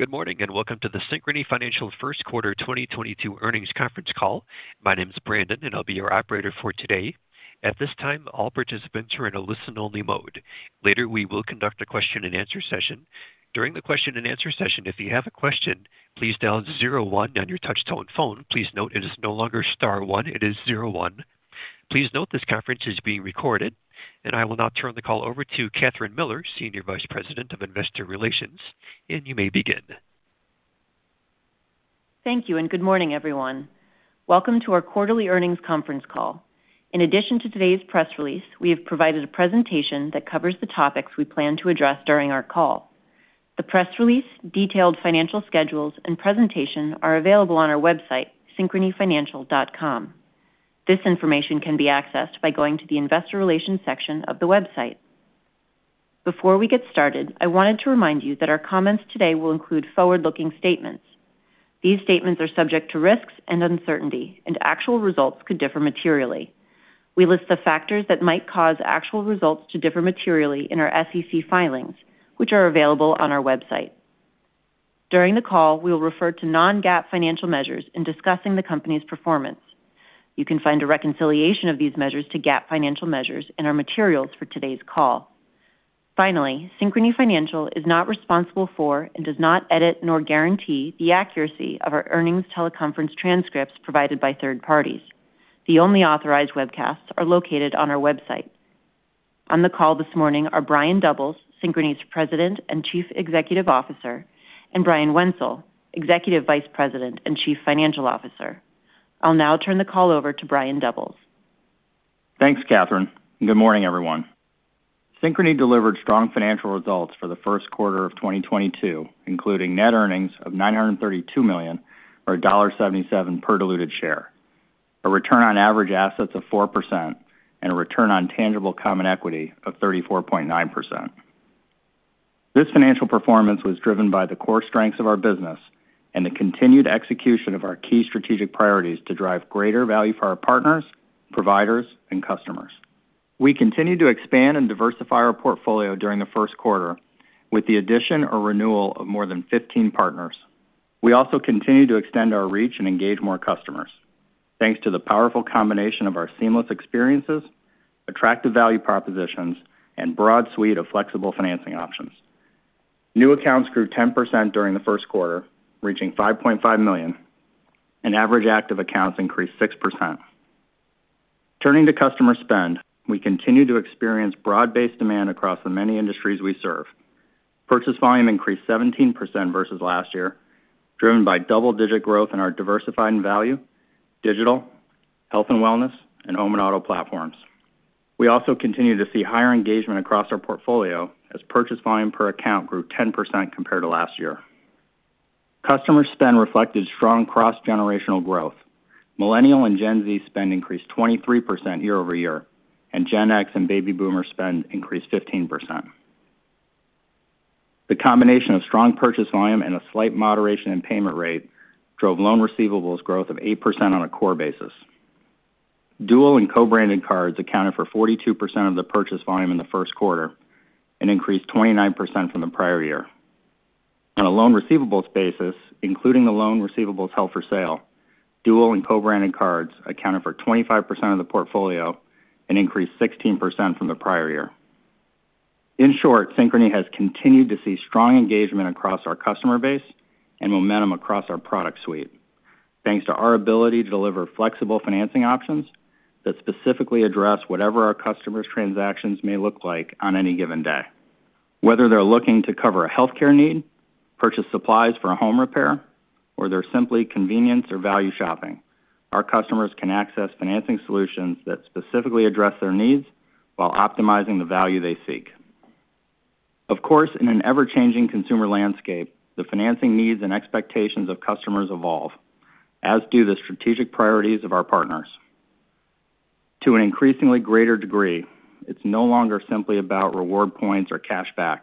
Good morning, and welcome to the Synchrony Financial first quarter 2022 earnings conference call. My name is Brandon, and I'll be your operator for today. At this time, all participants are in a listen-only mode. Later, we will conduct a question-and-answer session. During the question-and-answer session, if you have a question, please dial zero one on your touch-tone phone. Please note it is no longer star one, it is zero one. Please note this conference is being recorded. I will now turn the call over to Kathryn Miller, Senior Vice President of Investor Relations. You may begin. Thank you, and good morning, everyone. Welcome to our quarterly earnings conference call. In addition to today's press release, we have provided a presentation that covers the topics we plan to address during our call. The press release, detailed financial schedules, and presentation are available on our website, synchronyfinancial.com. This information can be accessed by going to the Investor Relations section of the website. Before we get started, I wanted to remind you that our comments today will include forward-looking statements. These statements are subject to risks and uncertainty, and actual results could differ materially. We list the factors that might cause actual results to differ materially in our SEC filings, which are available on our website. During the call, we will refer to non-GAAP financial measures in discussing the company's performance. You can find a reconciliation of these measures to GAAP financial measures in our materials for today's call. Finally, Synchrony Financial is not responsible for and does not edit nor guarantee the accuracy of our earnings teleconference transcripts provided by third parties. The only authorized webcasts are located on our website. On the call this morning are Brian Doubles, Synchrony's President and Chief Executive Officer, and Brian Wenzel, Executive Vice President and Chief Financial Officer. I'll now turn the call over to Brian Doubles. Thanks, Kathryn, and good morning, everyone. Synchrony delivered strong financial results for the first quarter of 2022, including net earnings of $932 million or $1.77 per diluted share, a return on average assets of 4% and a return on tangible common equity of 34.9%. This financial performance was driven by the core strengths of our business and the continued execution of our key strategic priorities to drive greater value for our partners, providers, and customers. We continued to expand and diversify our portfolio during the first quarter with the addition or renewal of more than 15 partners. We also continued to extend our reach and engage more customers. Thanks to the powerful combination of our seamless experiences, attractive value propositions, and broad suite of flexible financing options. New accounts grew 10% during the first quarter, reaching 5.5 million, and average active accounts increased 6%. Turning to customer spend, we continued to experience broad-based demand across the many industries we serve. Purchase volume increased 17% versus last year, driven by double-digit growth in our Diversified & Value, Digital, Health & Wellness, and Home and Auto platforms. We also continued to see higher engagement across our portfolio as purchase volume per account grew 10% compared to last year. Customer spend reflected strong cross-generational growth. Millennial and Gen Z spend increased 23% year-over-year, and Gen X and baby boomer spend increased 15%. The combination of strong purchase volume and a slight moderation in payment rate drove loan receivables growth of 8% on a core basis. Dual and co-branded cards accounted for 42% of the purchase volume in the first quarter and increased 29% from the prior year. On a loan receivables basis, including the loan receivables held for sale, dual and co-branded cards accounted for 25% of the portfolio and increased 16% from the prior year. In short, Synchrony has continued to see strong engagement across our customer base and momentum across our product suite, thanks to our ability to deliver flexible financing options that specifically address whatever our customers' transactions may look like on any given day. Whether they're looking to cover a healthcare need, purchase supplies for a home repair, or they're simply convenience or value shopping, our customers can access financing solutions that specifically address their needs while optimizing the value they seek. Of course, in an ever-changing consumer landscape, the financing needs and expectations of customers evolve, as do the strategic priorities of our partners. To an increasingly greater degree, it's no longer simply about reward points or cashback.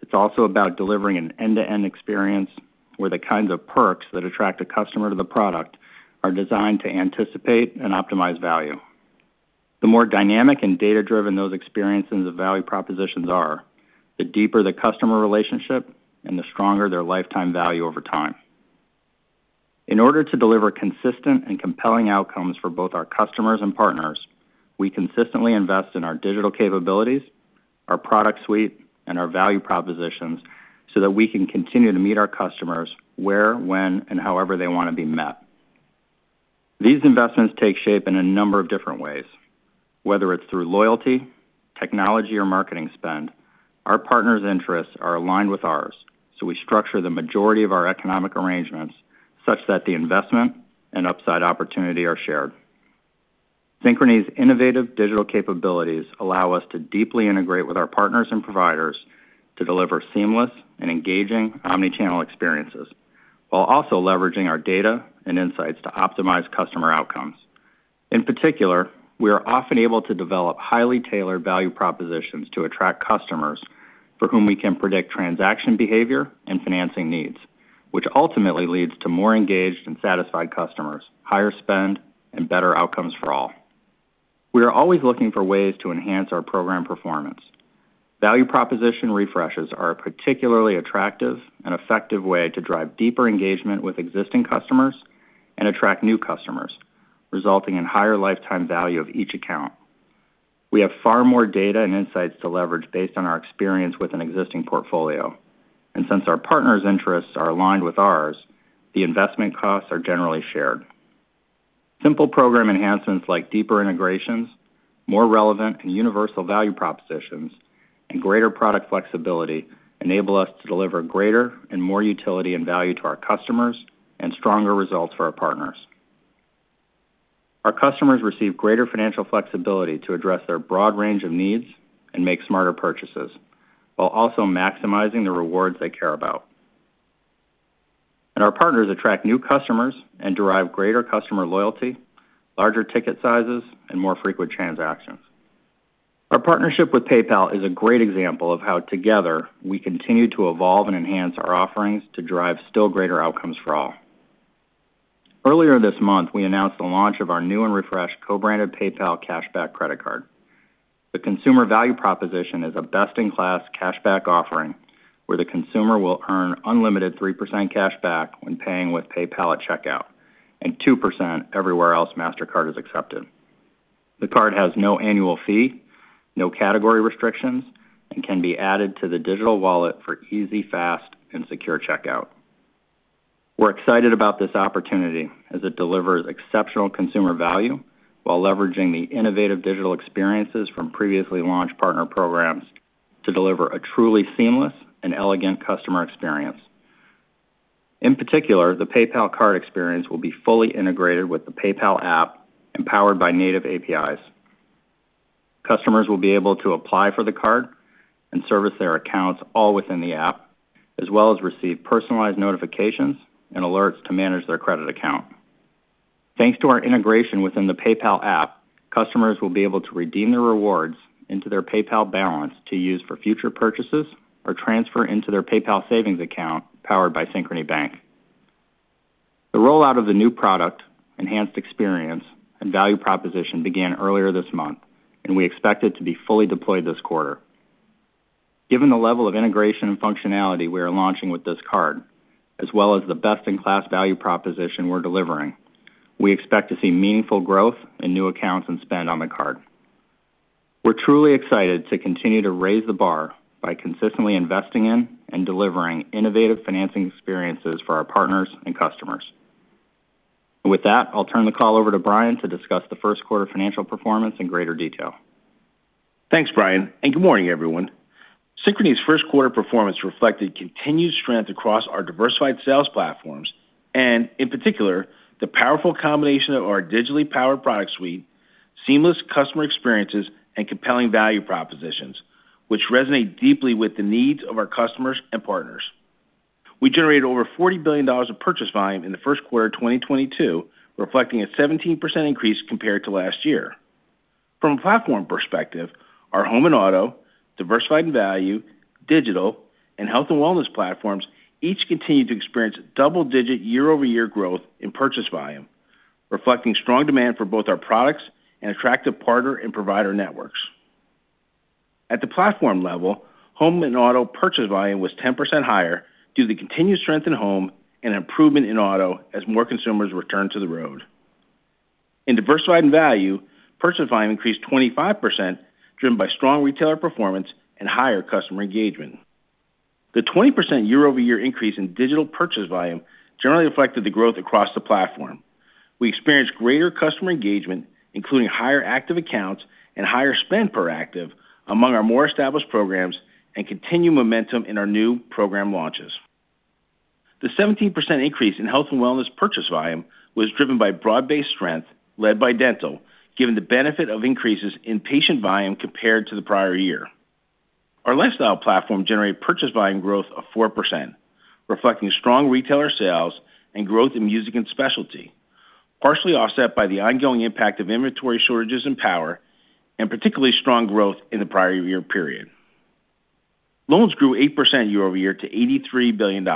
It's also about delivering an end-to-end experience where the kinds of perks that attract a customer to the product are designed to anticipate and optimize value. The more dynamic and data-driven those experiences of value propositions are, the deeper the customer relationship and the stronger their lifetime value over time. In order to deliver consistent and compelling outcomes for both our customers and partners, we consistently invest in our digital capabilities, our product suite, and our value propositions so that we can continue to meet our customers where, when, and however they wanna be met. These investments take shape in a number of different ways. Whether it's through loyalty, technology, or marketing spend, our partners' interests are aligned with ours, so we structure the majority of our economic arrangements such that the investment and upside opportunity are shared. Synchrony's innovative digital capabilities allow us to deeply integrate with our partners and providers to deliver seamless and engaging omni-channel experiences while also leveraging our data and insights to optimize customer outcomes. In particular, we are often able to develop highly tailored value propositions to attract customers for whom we can predict transaction behavior and financing needs, which ultimately leads to more engaged and satisfied customers, higher spend, and better outcomes for all. We are always looking for ways to enhance our program performance. Value proposition refreshes are a particularly attractive and effective way to drive deeper engagement with existing customers and attract new customers, resulting in higher lifetime value of each account. We have far more data and insights to leverage based on our experience with an existing portfolio. Since our partners' interests are aligned with ours, the investment costs are generally shared. Simple program enhancements like deeper integrations, more relevant and universal value propositions, and greater product flexibility enable us to deliver greater and more utility and value to our customers and stronger results for our partners. Our customers receive greater financial flexibility to address their broad range of needs and make smarter purchases while also maximizing the rewards they care about. Our partners attract new customers and derive greater customer loyalty, larger ticket sizes, and more frequent transactions. Our partnership with PayPal is a great example of how together we continue to evolve and enhance our offerings to drive still greater outcomes for all. Earlier this month, we announced the launch of our new and refreshed co-branded PayPal Cashback Mastercard. The consumer value proposition is a best-in-class cashback offering where the consumer will earn unlimited 3% cashback when paying with PayPal at checkout and 2% everywhere else Mastercard is accepted. The card has no annual fee, no category restrictions, and can be added to the digital wallet for easy, fast and secure checkout. We're excited about this opportunity as it delivers exceptional consumer value while leveraging the innovative digital experiences from previously launched partner programs to deliver a truly seamless and elegant customer experience. In particular, the PayPal card experience will be fully integrated with the PayPal app and powered by native APIs. Customers will be able to apply for the card and service their accounts all within the app, as well as receive personalized notifications and alerts to manage their credit account. Thanks to our integration within the PayPal app, customers will be able to redeem their rewards into their PayPal balance to use for future purchases or transfer into their PayPal savings account powered by Synchrony Bank. The rollout of the new product, enhanced experience and value proposition began earlier this month, and we expect it to be fully deployed this quarter. Given the level of integration and functionality we are launching with this card, as well as the best-in-class value proposition we're delivering, we expect to see meaningful growth in new accounts and spend on the card. We're truly excited to continue to raise the bar by consistently investing in and delivering innovative financing experiences for our partners and customers. With that, I'll turn the call over to Brian to discuss the first quarter financial performance in greater detail. Thanks, Brian, and good morning, everyone. Synchrony's first quarter performance reflected continued strength across our diversified sales platforms and in particular, the powerful combination of our digitally powered product suite, seamless customer experiences and compelling value propositions, which resonate deeply with the needs of our customers and partners. We generated over $40 billion of purchase volume in the first quarter of 2022, reflecting a 17% increase compared to last year. From a platform perspective, our Home and Auto, Diversified & Value, Digital and Health & Wellness platforms each continued to experience double-digit year-over-year growth in purchase volume, reflecting strong demand for both our products and attractive partner and provider networks. At the platform level, Home and Auto purchase volume was 10% higher due to the continued strength in home and improvement in auto as more consumers returned to the road. In Diversified & Value, purchase volume increased 25%, driven by strong retailer performance and higher customer engagement. The 20% year-over-year increase in Digital purchase volume generally reflected the growth across the platform. We experienced greater customer engagement, including higher active accounts and higher spend per active among our more established programs and continued momentum in our new program launches. The 17% increase in Health & Wellness purchase volume was driven by broad-based strength led by dental, given the benefit of increases in patient volume compared to the prior year. Our Lifestyle platform generated purchase volume growth of 4%, reflecting strong retailer sales and growth in music and specialty, partially offset by the ongoing impact of inventory shortages and power, and particularly strong growth in the prior year period. Loans grew 8% year-over-year to $83 billion,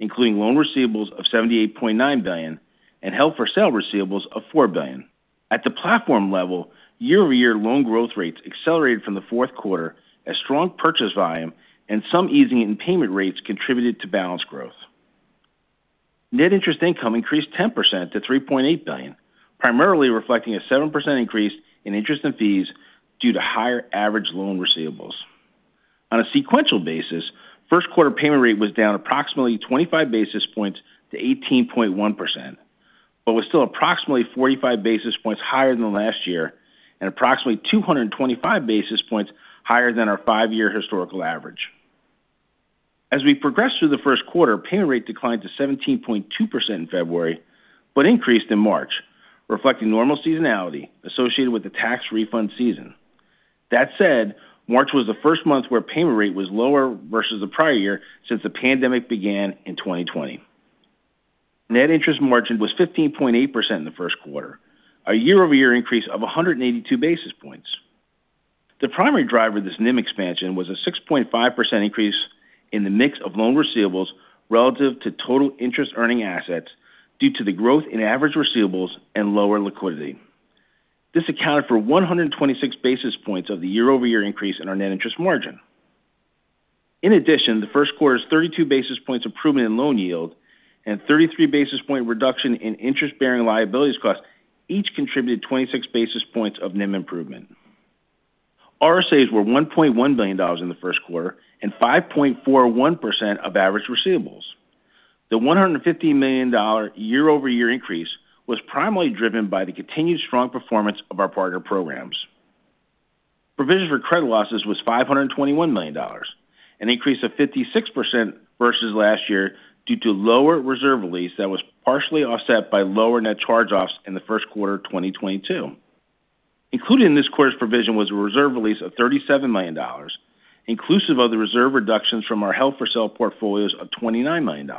including loan receivables of $78.9 billion and held for sale receivables of $4 billion. At the platform level, year-over-year loan growth rates accelerated from the fourth quarter as strong purchase volume and some easing in payment rates contributed to balance growth. Net interest income increased 10% to $3.8 billion, primarily reflecting a 7% increase in interest and fees due to higher average loan receivables. On a sequential basis, first quarter payment rate was down approximately 25 basis points to 18.1%, but was still approximately 45 basis points higher than last year and approximately 225 basis points higher than our five-year historical average. As we progressed through the first quarter, payment rate declined to 17.2% in February, but increased in March, reflecting normal seasonality associated with the tax refund season. That said, March was the first month where payment rate was lower versus the prior year since the pandemic began in 2020. Net interest margin was 15.8% in the first quarter, a year-over-year increase of 182 basis points. The primary driver of this NIM expansion was a 6.5% increase in the mix of loan receivables relative to total interest-earning assets due to the growth in average receivables and lower liquidity. This accounted for 126 basis points of the year-over-year increase in our net interest margin. In addition, the first quarter's 32 basis points improvement in loan yield and 33 basis point reduction in interest-bearing liabilities cost each contributed 26 basis points of NIM improvement. RSAs were $1.1 billion in the first quarter and 5.41% of average receivables. The $150 million year-over-year increase was primarily driven by the continued strong performance of our partner programs. Provision for credit losses was $521 million, an increase of 56% versus last year due to lower reserve release that was partially offset by lower net charge-offs in the first quarter of 2022. Included in this quarter's provision was a reserve release of $37 million, inclusive of the reserve reductions from our held for sale portfolios of $29 million.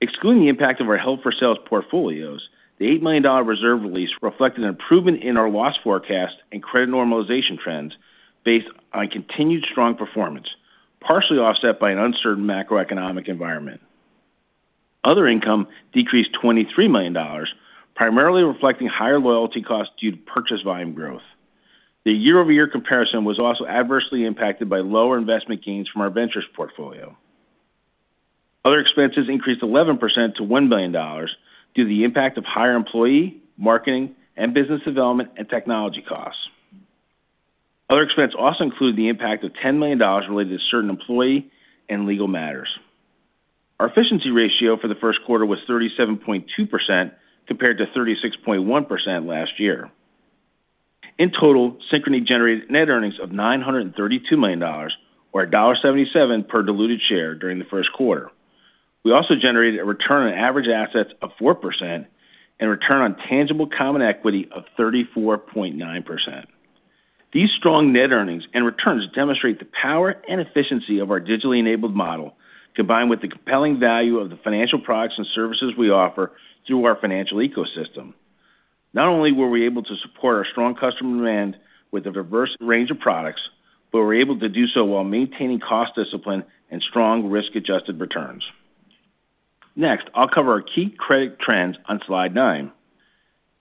Excluding the impact of our held for sale portfolios, the $8 million reserve release reflected an improvement in our loss forecast and credit normalization trends based on continued strong performance, partially offset by an uncertain macroeconomic environment. Other income decreased $23 million, primarily reflecting higher loyalty costs due to purchase volume growth. The year-over-year comparison was also adversely impacted by lower investment gains from our ventures portfolio. Other expenses increased 11% to $1 billion due to the impact of higher employee, marketing, and business development and technology costs. Other expenses also include the impact of $10 million related to certain employee and legal matters. Our efficiency ratio for the first quarter was 37.2% compared to 36.1% last year. In total, Synchrony generated net earnings of $932 million or $1.77 per diluted share during the first quarter. We also generated a return on average assets of 4% and return on tangible common equity of 34.9%. These strong net earnings and returns demonstrate the power and efficiency of our digitally enabled model, combined with the compelling value of the financial products and services we offer through our financial ecosystem. Not only were we able to support our strong customer demand with a diverse range of products, but we're able to do so while maintaining cost discipline and strong risk-adjusted returns. Next, I'll cover our key credit trends on slide nine.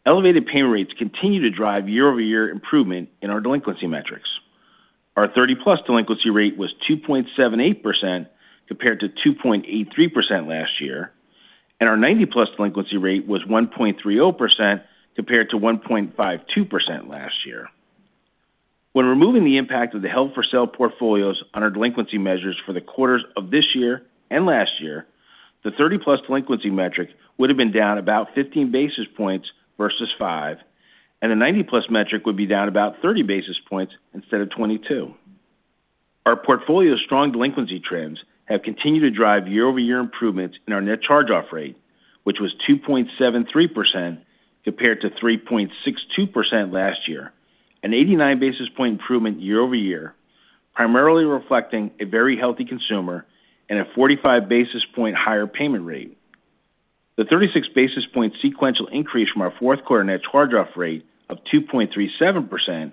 Elevated payment rates continue to drive year-over-year improvement in our delinquency metrics. Our 30+ delinquency rate was 2.78% compared to 2.83% last year, and our 90+ delinquency rate was 1.30% compared to 1.52% last year. When removing the impact of the held for sale portfolios on our delinquency measures for the quarters of this year and last year, the 30+ delinquency metric would have been down about 15 basis points versus five, and the 90+ metric would be down about 30 basis points instead of 22. Our portfolio's strong delinquency trends have continued to drive year-over-year improvements in our net charge-off rate, which was 2.73% compared to 3.62% last year, an 89 basis point improvement year-over-year, primarily reflecting a very healthy consumer and a 45 basis point higher payment rate. The 36 basis point sequential increase from our fourth quarter net charge-off rate of 2.37%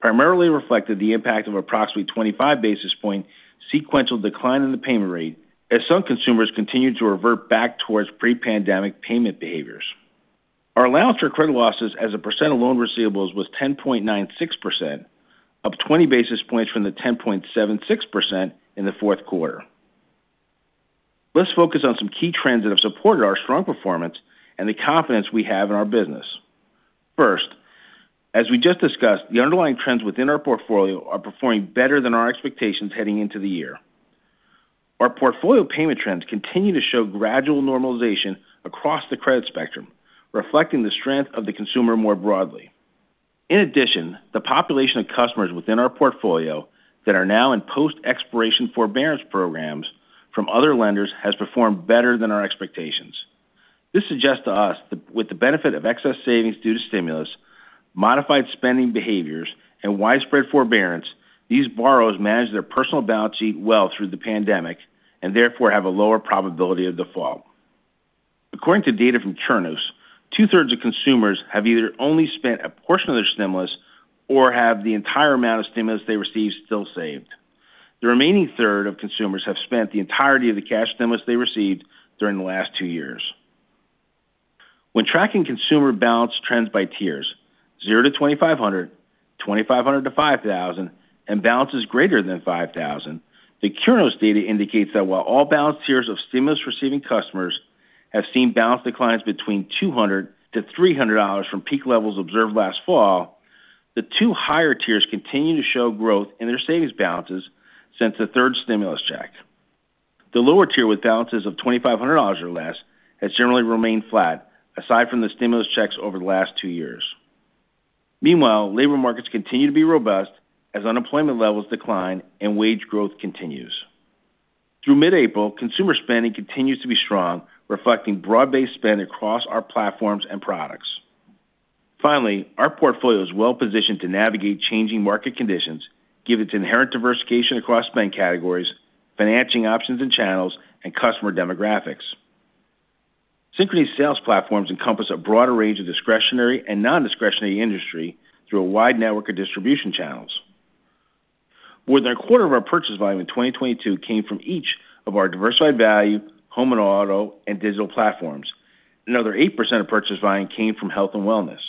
primarily reflected the impact of approximately 25 basis point sequential decline in the payment rate as some consumers continued to revert back towards pre-pandemic payment behaviors. Our allowance for credit losses as a percent of loan receivables was 10.96%, up 20 basis points from the 10.76% in the fourth quarter. Let's focus on some key trends that have supported our strong performance and the confidence we have in our business. First, as we just discussed, the underlying trends within our portfolio are performing better than our expectations heading into the year. Our portfolio payment trends continue to show gradual normalization across the credit spectrum, reflecting the strength of the consumer more broadly. In addition, the population of customers within our portfolio that are now in post-expiration forbearance programs from other lenders has performed better than our expectations. This suggests to us, with the benefit of excess savings due to stimulus, modified spending behaviors and widespread forbearance, these borrowers managed their personal balance sheet well through the pandemic and therefore have a lower probability of default. According to data from Census, two-thirds of consumers have either only spent a portion of their stimulus or have the entire amount of stimulus they received still saved. The remaining third of consumers have spent the entirety of the cash stimulus they received during the last two years. When tracking consumer balance trends by tiers, 0-2,500, 2,500-5,000, and balances >5,000, the Chernus data indicates that while all balance tiers of stimulus-receiving customers have seen balance declines between $200-$300 from peak levels observed last fall, the two higher tiers continue to show growth in their savings balances since the third stimulus check. The lower tier with balances of $2,500 or less has generally remained flat aside from the stimulus checks over the last two years. Meanwhile, labor markets continue to be robust as unemployment levels decline and wage growth continues. Through mid-April, consumer spending continues to be strong, reflecting broad-based spend across our platforms and products. Finally, our portfolio is well-positioned to navigate changing market conditions, given its inherent diversification across spend categories, financing options and channels, and customer demographics. Synchrony sales platforms encompass a broader range of discretionary and non-discretionary industries through a wide network of distribution channels. More than a quarter of our purchase volume in 2022 came from each of our Diversified & Value, Home and Auto, and Digital platforms. Another 8% of purchase volume came from Health & Wellness.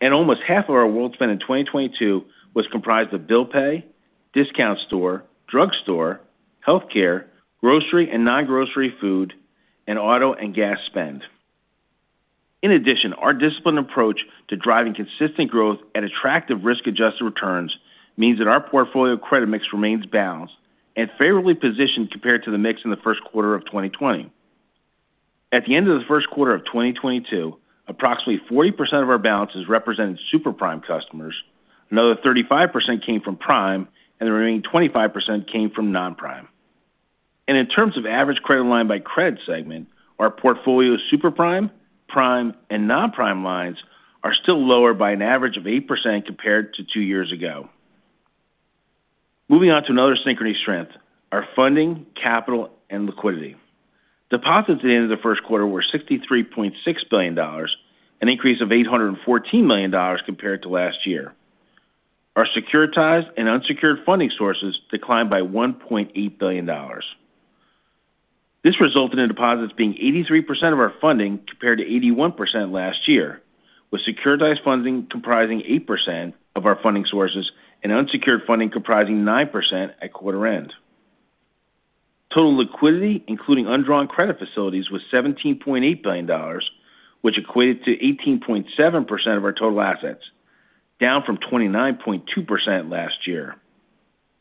Almost half of our wallet spend in 2022 was comprised of bill pay, discount store, drug store, healthcare, grocery and non-grocery food, and auto and gas spend. In addition, our disciplined approach to driving consistent growth at attractive risk-adjusted returns means that our portfolio credit mix remains balanced and favorably positioned compared to the mix in the first quarter of 2020. At the end of the first quarter of 2022, approximately 40% of our balance is represented in super prime customers, another 35% came from prime, and the remaining 25% came from non-prime. In terms of average credit line by credit segment, our portfolio super prime, and non-prime lines are still lower by an average of 8% compared to two years ago. Moving on to another Synchrony strength, our funding, capital, and liquidity. Deposits at the end of the first quarter were $63.6 billion, an increase of $814 million compared to last year. Our securitized and unsecured funding sources declined by $1.8 billion. This resulted in deposits being 83% of our funding compared to 81% last year, with securitized funding comprising 8% of our funding sources and unsecured funding comprising 9% at quarter end. Total liquidity, including undrawn credit facilities, was $17.8 billion, which equated to 18.7% of our total assets, down from 29.2% last year.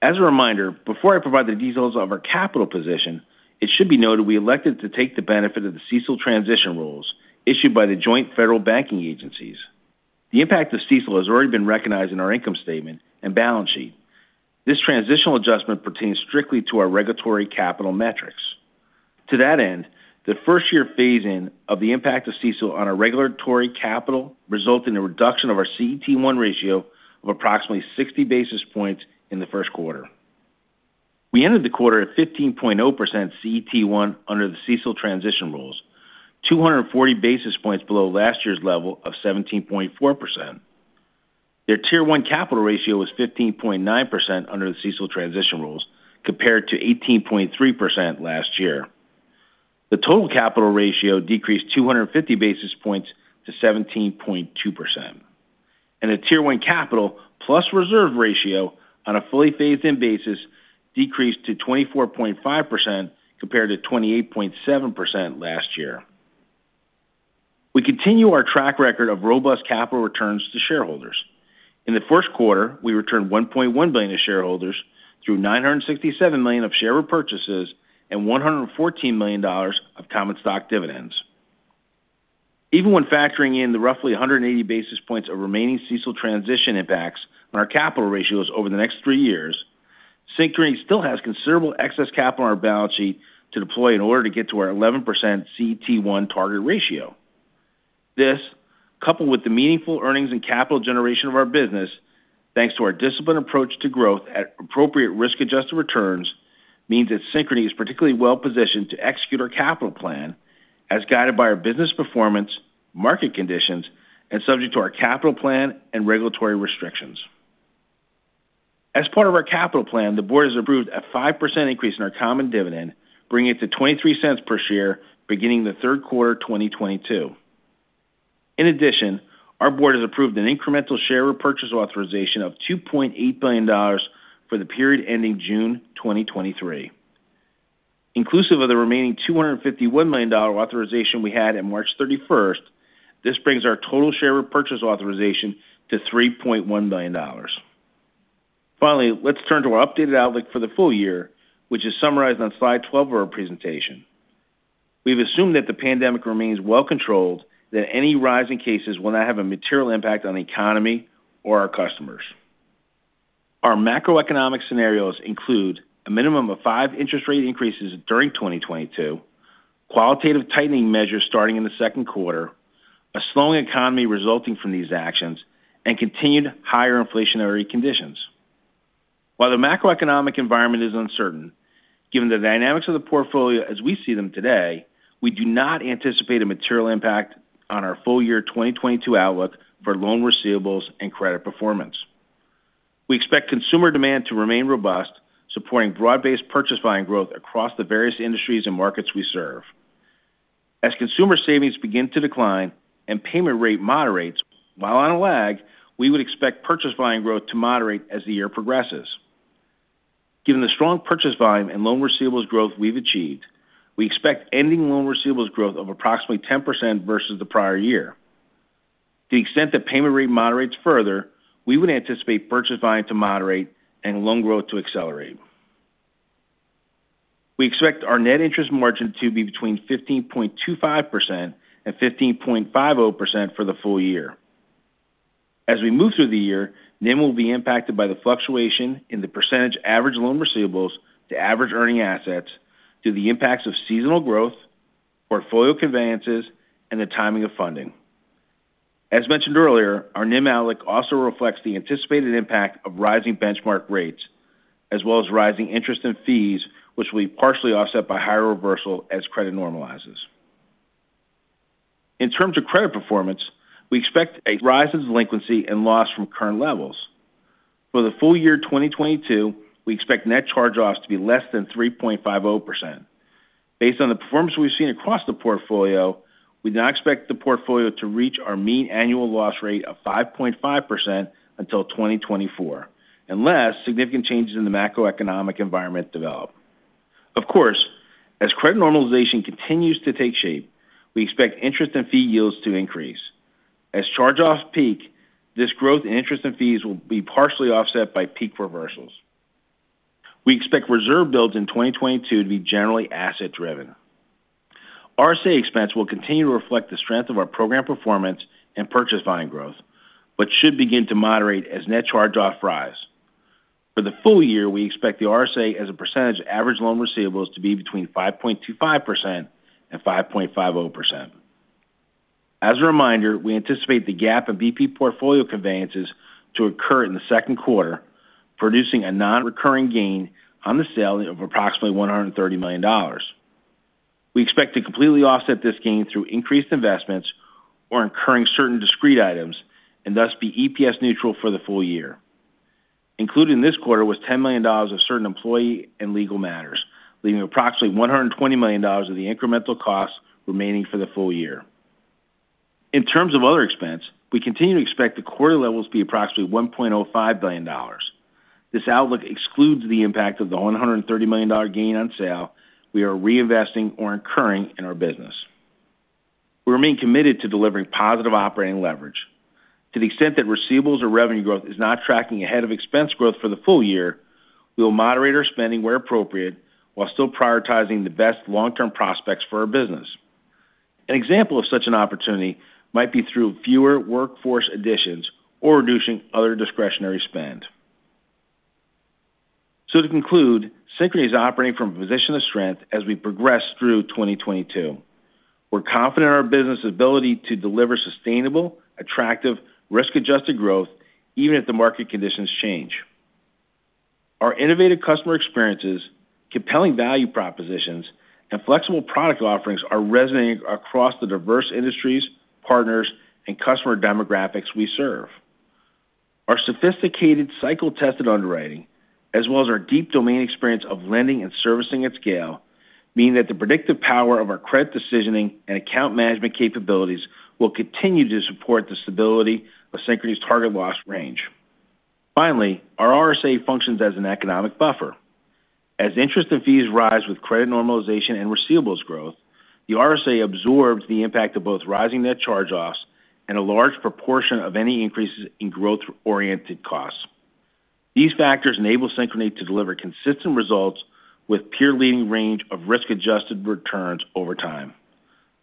As a reminder, before I provide the details of our capital position, it should be noted we elected to take the benefit of the CECL transition rules issued by the joint federal banking agencies. The impact of CECL has already been recognized in our income statement and balance sheet. This transitional adjustment pertains strictly to our regulatory capital metrics. To that end, the first year phase-in of the impact of CECL on our regulatory capital resulted in a reduction of our CET1 ratio of approximately 60 basis points in the first quarter. We ended the quarter at 15.0% CET1 under the CECL transition rules, 240 basis points below last year's level of 17.4%. Our Tier 1 capital ratio was 15.9% under the CECL transition rules, compared to 18.3% last year. The total capital ratio decreased 250 basis points to 17.2%. The Tier 1 capital plus reserve ratio on a fully phased in basis decreased to 24.5% compared to 28.7% last year. We continue our track record of robust capital returns to shareholders. In the first quarter, we returned $1.1 billion to shareholders through $967 million of share repurchases and $114 million of common stock dividends. Even when factoring in the roughly 180 basis points of remaining CECL transition impacts on our capital ratios over the next 3 years, Synchrony still has considerable excess capital on our balance sheet to deploy in order to get to our 11% CET1 target ratio. This, coupled with the meaningful earnings and capital generation of our business, thanks to our disciplined approach to growth at appropriate risk-adjusted returns, means that Synchrony is particularly well-positioned to execute our capital plan as guided by our business performance, market conditions, and subject to our capital plan and regulatory restrictions. As part of our capital plan, the board has approved a 5% increase in our common dividend, bringing it to $0.23 per share beginning the third quarter 2022. In addition, our board has approved an incremental share repurchase authorization of $2.8 billion for the period ending June 2023. Inclusive of the remaining $251 million authorization we had at March 31, this brings our total share repurchase authorization to $3.1 billion. Finally, let's turn to our updated outlook for the full year, which is summarized on slide 12 of our presentation. We've assumed that the pandemic remains well-controlled, that any rise in cases will not have a material impact on the economy or our customers. Our macroeconomic scenarios include a minimum of 5 interest rate increases during 2022, qualitative tightening measures starting in the second quarter, a slowing economy resulting from these actions, and continued higher inflationary conditions. While the macroeconomic environment is uncertain, given the dynamics of the portfolio as we see them today, we do not anticipate a material impact on our full-year 2022 outlook for loan receivables and credit performance. We expect consumer demand to remain robust, supporting broad-based purchase volume growth across the various industries and markets we serve. As consumer savings begin to decline and payment rate moderates, while on a lag, we would expect purchase volume growth to moderate as the year progresses. Given the strong purchase volume and loan receivables growth we've achieved, we expect ending loan receivables growth of approximately 10% versus the prior year. To the extent that payment rate moderates further, we would anticipate purchase volume to moderate and loan growth to accelerate. We expect our net interest margin to be between 15.25% and 15.50% for the full year. As we move through the year, NIM will be impacted by the fluctuation in the percentage average loan receivables to average earning assets due to the impacts of seasonal growth, portfolio conveyances, and the timing of funding. As mentioned earlier, our NIM outlook also reflects the anticipated impact of rising benchmark rates as well as rising interest and fees, which will be partially offset by higher reversal as credit normalizes. In terms of credit performance, we expect a rise in delinquency and loss from current levels. For the full year 2022, we expect net charge-offs to be less than 3.50%. Based on the performance we've seen across the portfolio, we now expect the portfolio to reach our mean annual loss rate of 5.5% until 2024, unless significant changes in the macroeconomic environment develop. Of course, as credit normalization continues to take shape, we expect interest and fee yields to increase. As charge-offs peak, this growth in interest and fees will be partially offset by peak reversals. We expect reserve builds in 2022 to be generally asset-driven. RSA expense will continue to reflect the strength of our program performance and purchase volume growth but should begin to moderate as net charge-offs rise. For the full year, we expect the RSA as a percentage of average loan receivables to be between 5.25% and 5.50%. As a reminder, we anticipate the gap in BP portfolio conveyances to occur in the second quarter, producing a non-recurring gain on the sale of approximately $130 million. We expect to completely offset this gain through increased investments or incurring certain discrete items and thus be EPS neutral for the full year. Included in this quarter was $10 million of certain employee and legal matters, leaving approximately $120 million of the incremental costs remaining for the full year. In terms of other expense, we continue to expect the quarter levels to be approximately $1.05 billion. This outlook excludes the impact of the $130 million gain on sale we are reinvesting or incurring in our business. We remain committed to delivering positive operating leverage. To the extent that receivables or revenue growth is not tracking ahead of expense growth for the full year, we will moderate our spending where appropriate while still prioritizing the best long-term prospects for our business. An example of such an opportunity might be through fewer workforce additions or reducing other discretionary spend. To conclude, Synchrony is operating from a position of strength as we progress through 2022. We're confident in our business' ability to deliver sustainable, attractive, risk-adjusted growth even if the market conditions change. Our innovative customer experiences, compelling value propositions, and flexible product offerings are resonating across the diverse industries, partners, and customer demographics we serve. Our sophisticated cycle-tested underwriting, as well as our deep domain experience of lending and servicing at scale, mean that the predictive power of our credit decisioning and account management capabilities will continue to support the stability of Synchrony's target loss range. Finally, our RSA functions as an economic buffer. As interest and fees rise with credit normalization and receivables growth, the RSA absorbs the impact of both rising net charge-offs and a large proportion of any increases in growth-oriented costs. These factors enable Synchrony to deliver consistent results with peer-leading range of risk-adjusted returns over time.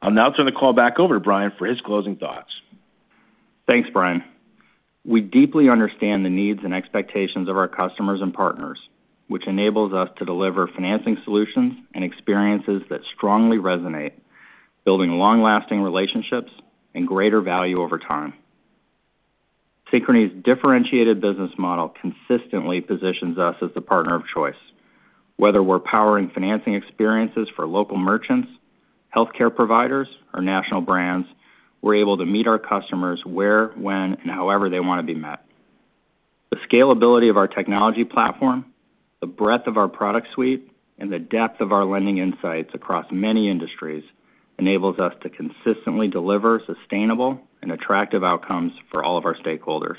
I'll now turn the call back over to Brian for his closing thoughts. Thanks, Brian. We deeply understand the needs and expectations of our customers and partners, which enables us to deliver financing solutions and experiences that strongly resonate, building long-lasting relationships and greater value over time. Synchrony's differentiated business model consistently positions us as the partner of choice. Whether we're powering financing experiences for local merchants, healthcare providers, or national brands, we're able to meet our customers where, when, and however they want to be met. The scalability of our technology platform, the breadth of our product suite, and the depth of our lending insights across many industries enables us to consistently deliver sustainable and attractive outcomes for all of our stakeholders.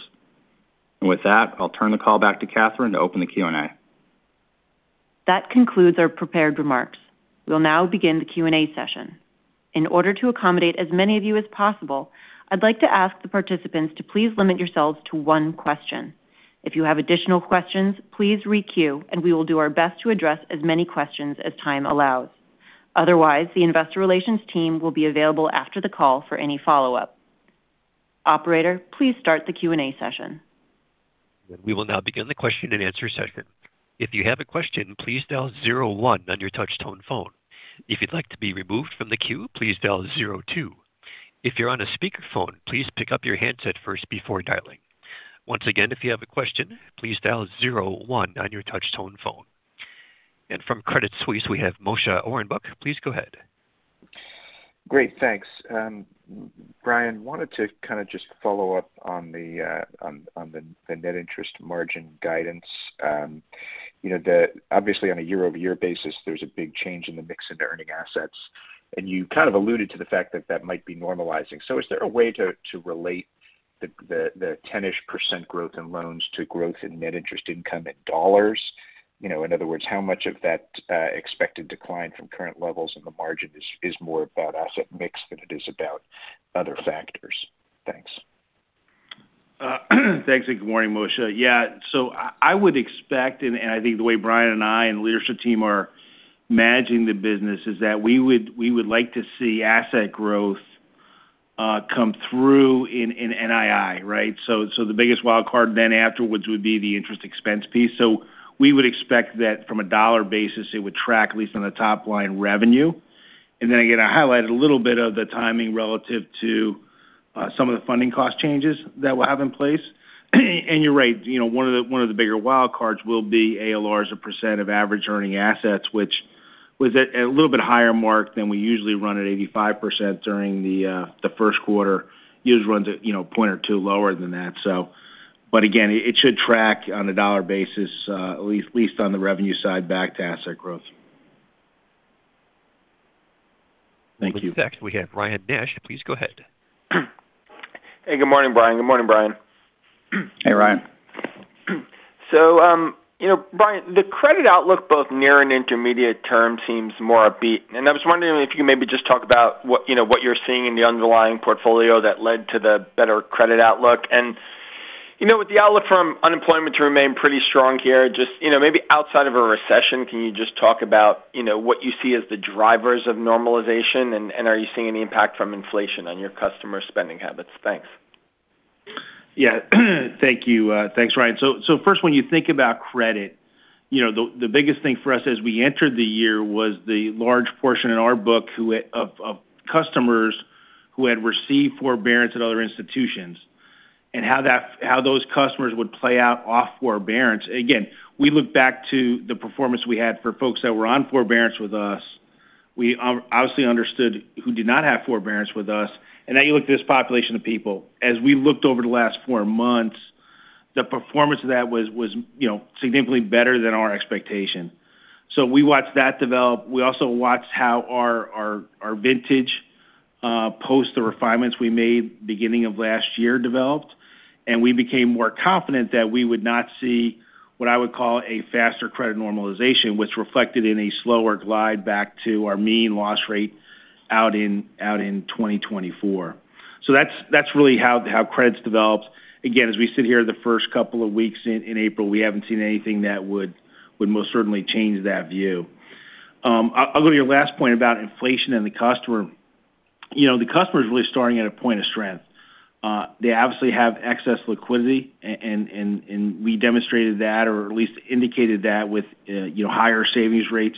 With that, I'll turn the call back to Kathryn to open the Q&A. That concludes our prepared remarks. We'll now begin the Q&A session. In order to accommodate as many of you as possible, I'd like to ask the participants to please limit yourselves to one question. If you have additional questions, please re-queue, and we will do our best to address as many questions as time allows. Otherwise, the investor relations team will be available after the call for any follow-up. Operator, please start the Q&A session. We will now begin the question-and-answer session. If you have a question, please dial zero one on your touch tone phone. If you'd like to be removed from the queue, please dial zero two. If you're on a speakerphone, please pick up your handset first before dialing. Once again, if you have a question, please dial zero one on your touch tone phone. From Credit Suisse, we have Moshe Orenbuch. Please go ahead. Great. Thanks. Brian, wanted to kind of just follow up on the net interest margin guidance. You know, obviously, on a year-over-year basis, there's a big change in the mix in the earning assets. You kind of alluded to the fact that that might be normalizing. Is there a way to relate the 10-ish% growth in loans to growth in net interest income in dollars? You know, in other words, how much of that expected decline from current levels in the margin is more about asset mix than it is about other factors? Thanks. Thanks, and good morning, Moshe. Yeah. I would expect, and I think the way Brian and I and leadership team are managing the business is that we would like to see asset growth come through in NII, right? The biggest wild card then afterwards would be the interest expense piece. We would expect that from a dollar basis, it would track at least on the top line revenue. Then again, I highlighted a little bit of the timing relative to some of the funding cost changes that we'll have in place. You're right, you know, one of the bigger wild cards will be ALR, a percent of average earning assets, which was at a little bit higher mark than we usually run at 85% during the first quarter. Usually runs at, you know, point or two lower than that. It should track on a dollar basis, at least on the revenue side, back to asset growth. Thank you. Next, we have Ryan Nash. Please go ahead. Hey, good morning, Brian. Good morning, Brian. Hey, Ryan. You know, Brian, the credit outlook both near and intermediate term seems more upbeat. I was wondering if you could maybe just talk about what, you know, what you're seeing in the underlying portfolio that led to the better credit outlook. You know, with the outlook from unemployment to remain pretty strong here, just, you know, maybe outside of a recession, can you just talk about, you know, what you see as the drivers of normalization? Are you seeing any impact from inflation on your customer spending habits? Thanks. Yeah. Thank you. Thanks, Ryan. First, when you think about credit, you know, the biggest thing for us as we entered the year was the large portion in our book of customers who had received forbearance at other institutions, and how those customers would play out off forbearance. Again, we look back to the performance we had for folks that were on forbearance with us. We obviously understood who did not have forbearance with us. Now you look at this population of people. As we looked over the last four months, the performance of that was, you know, significantly better than our expectation. We watched that develop. We also watched how our vintage post the refinements we made beginning of last year developed, and we became more confident that we would not see what I would call a faster credit normalization, which reflected in a slower glide back to our mean loss rate out in 2024. That's really how credit's developed. Again, as we sit here the first couple of weeks in April, we haven't seen anything that would most certainly change that view. I'll go to your last point about inflation and the customer. You know, the customer is really starting at a point of strength. They obviously have excess liquidity and we demonstrated that, or at least indicated that with, you know, higher savings rates.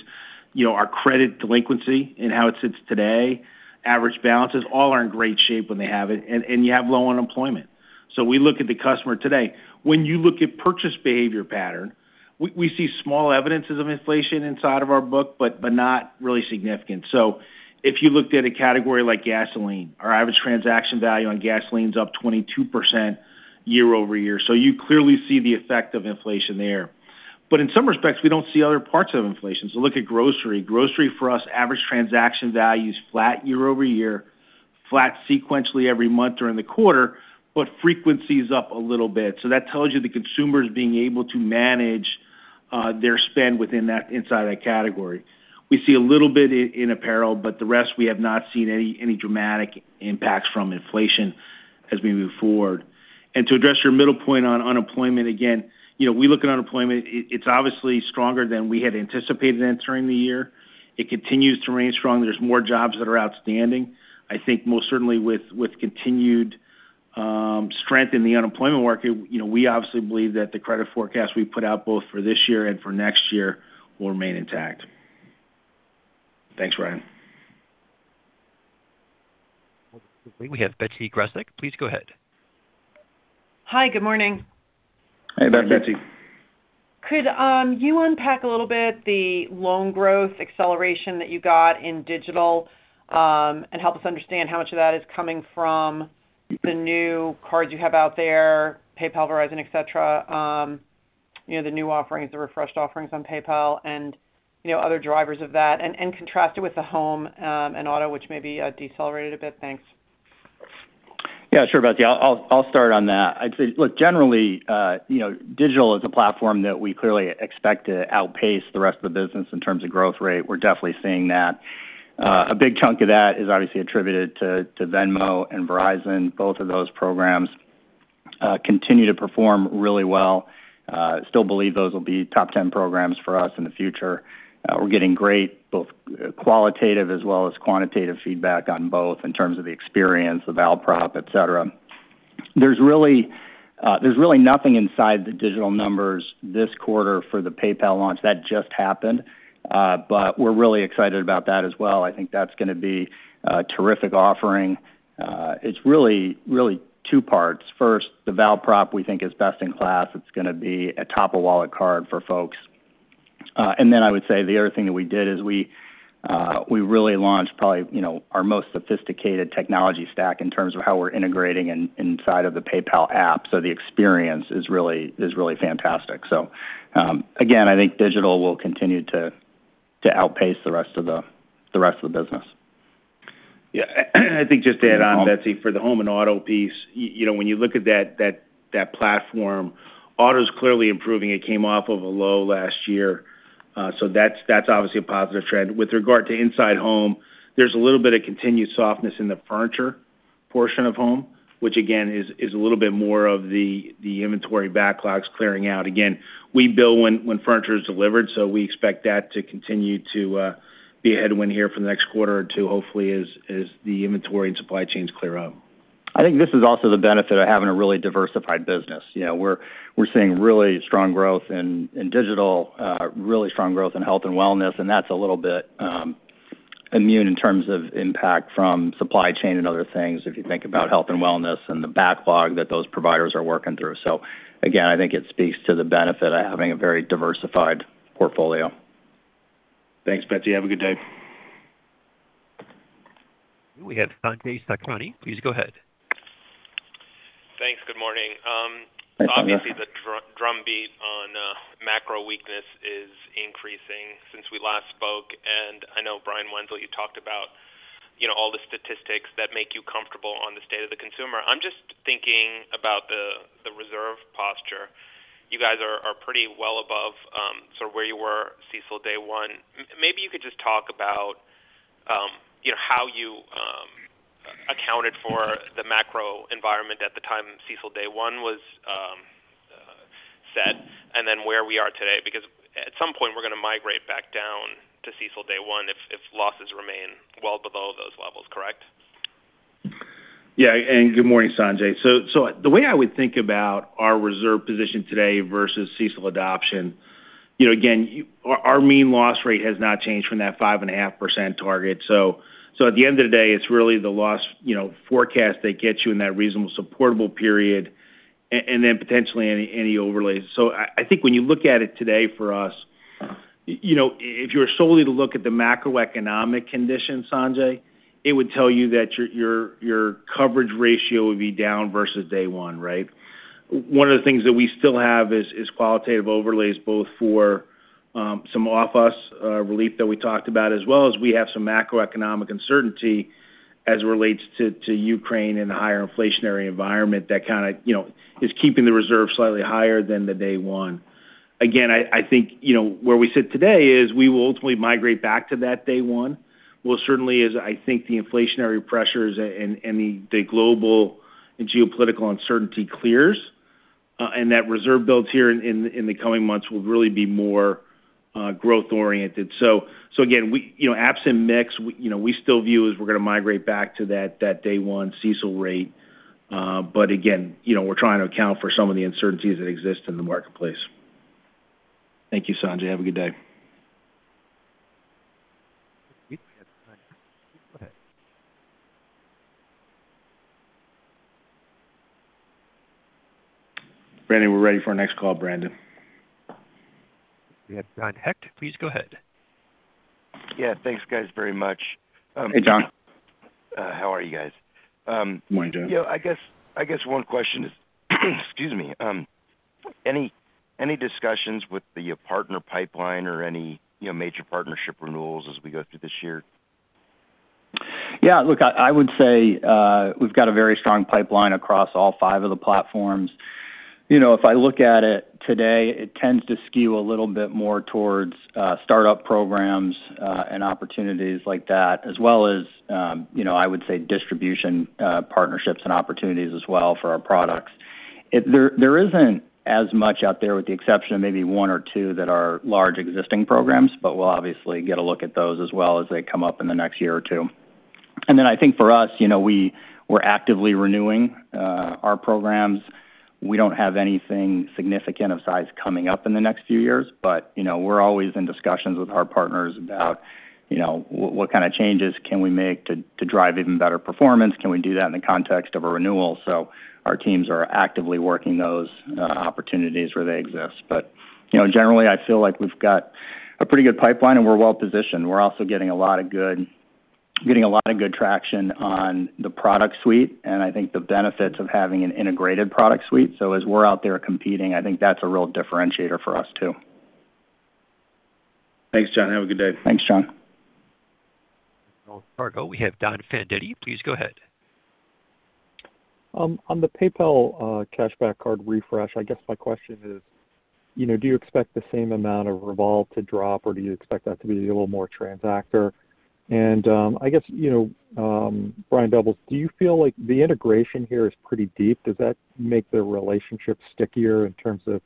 You know, our credit delinquency and how it sits today, average balances all are in great shape when they have it, and you have low unemployment. We look at the customer today. When you look at purchase behavior pattern, we see small evidences of inflation inside of our book, but not really significant. If you looked at a category like gasoline, our average transaction value on gasoline is up 22% year-over-year. You clearly see the effect of inflation there. In some respects, we don't see other parts of inflation. Look at grocery. Grocery for us, average transaction value is flat year-over-year, flat sequentially every month during the quarter, but frequency is up a little bit. That tells you the consumer is being able to manage their spend inside that category. We see a little bit in apparel, but the rest we have not seen any dramatic impacts from inflation as we move forward. To address your middle point on unemployment, again, you know, we look at unemployment, it's obviously stronger than we had anticipated entering the year. It continues to remain strong. There's more jobs that are outstanding. I think most certainly with continued strength in the employment market, you know, we obviously believe that the credit forecast we put out both for this year and for next year will remain intact. Thanks, Ryan. We have Betsy Graseck. Please go ahead. Hi, good morning. Hi,. Could you unpack a little bit the loan growth acceleration that you got in Digital, and help us understand how much of that is coming from the new cards you have out there, PayPal, Verizon, et cetera, you know, the new offerings, the refreshed offerings on PayPal and, you know, other drivers of that, and contrast it with the Home and Auto, which may be decelerated a bit? Thanks. Yeah, sure, Betsy. I'll start on that. I'd say, look, generally, Digital is a platform that we clearly expect to outpace the rest of the business in terms of growth rate. We're definitely seeing that. A big chunk of that is obviously attributed to Venmo and Verizon. Both of those programs continue to perform really well. Still believe those will be top ten programs for us in the future. We're getting great both qualitative as well as quantitative feedback on both in terms of the experience, the val prop, et cetera. There's really nothing inside the Digital numbers this quarter for the PayPal launch. That just happened. We're really excited about that as well. I think that's gonna be a terrific offering. It's really two parts. First, the val prop, we think is best in class. It's gonna be a top-of-wallet card for folks. Then I would say the other thing that we did is we really launched probably, you know, our most sophisticated technology stack in terms of how we're integrating inside of the PayPal app. The experience is really fantastic. Again, I think Digital will continue to outpace the rest of the business. Yeah. I think just to add on, Betsy, for the Home and Auto piece, you know, when you look at that platform, auto's clearly improving. It came off of a low last year. That's obviously a positive trend. With regard to inside home, there's a little bit of continued softness in the furniture portion of home, which again is a little bit more of the inventory backlogs clearing out. Again, we bill when furniture is delivered, so we expect that to continue to be a headwind here for the next quarter or two, hopefully, as the inventory and supply chains clear out. I think this is also the benefit of having a really diversified business. You know, we're seeing really strong growth in Digital, really strong growth in Health & Wellness, and that's a little bit immune in terms of impact from supply chain and other things if you think about Health & Wellness and the backlog that those providers are working through. Again, I think it speaks to the benefit of having a very diversified portfolio. Thanks, Betsy. Have a good day. We have Sanjay Sakhrani. Please go ahead. Thanks. Good morning. Thanks, Sanjay. Obviously, the drum beat on macro weakness is increasing since we last spoke. I know, Brian Wenzel, you talked about, you know, all the statistics that make you comfortable on the state of the consumer. I'm just thinking about the reserve posture. You guys are pretty well above sort of where you were CECL day one. Maybe you could just talk about, you know, how you accounted for the macro environment at the time CECL day one was set, and then where we are today. Because at some point, we're gonna migrate back down to CECL day one if losses remain well below those levels, correct? Yeah. Good morning, Sanjay. The way I would think about our reserve position today versus CECL adoption, you know, again, our mean loss rate has not changed from that 5.5% target. At the end of the day, it's really the loss, you know, forecast that gets you in that reasonable supportable period and then potentially any overlays. I think when you look at it today for us, you know, if you were solely to look at the macroeconomic conditions, Sanjay, it would tell you that your coverage ratio would be down versus day one, right? One of the things that we still have is qualitative overlays both for some offsets relief that we talked about, as well as we have some macroeconomic uncertainty as it relates to Ukraine and the higher inflationary environment that kind of you know is keeping the reserve slightly higher than the day one. Again, I think you know where we sit today is we will ultimately migrate back to that day one. We'll certainly as I think the inflationary pressures and the global geopolitical uncertainty clears and that reserve builds here in the coming months will really be more growth oriented. So again we you know absent mix we you know we still view as we're gonna migrate back to that day one CECL rate. Again, you know, we're trying to account for some of the uncertainties that exist in the marketplace. Thank you, Sanjay. Have a good day. Brandon, we're ready for our next call, Brandon. We have John Hecht. Please go ahead. Yeah. Thanks, guys, very much. Hey, John. How are you guys? Morning, John. Yeah. I guess one question is, excuse me, any discussions with the partner pipeline or any, you know, major partnership renewals as we go through this year? Yeah. Look, I would say we've got a very strong pipeline across all five of the platforms. You know, if I look at it today, it tends to skew a little bit more towards startup programs and opportunities like that, as well as, you know, I would say distribution partnerships and opportunities as well for our products. There isn't as much out there with the exception of maybe one or two that are large existing programs, but we'll obviously get a look at those as well as they come up in the next year or two. I think for us, you know, we're actively renewing our programs. We don't have anything significant of size coming up in the next few years, but, you know, we're always in discussions with our partners about, you know, what kind of changes can we make to drive even better performance? Can we do that in the context of a renewal? Our teams are actively working those opportunities where they exist. You know, generally, I feel like we've got a pretty good pipeline, and we're well-positioned. We're also getting a lot of good traction on the product suite and I think the benefits of having an integrated product suite. As we're out there competing, I think that's a real differentiator for us too. Thanks, John. Have a good day. Thanks, John. From Wells Fargo, we have Don Fandetti. Please go ahead. On the PayPal cashback card refresh, I guess my question is, you know, do you expect the same amount of revolve to drop, or do you expect that to be a little more transactor? I guess, you know, Brian Doubles, do you feel like the integration here is pretty deep? Does that make the relationship stickier in terms of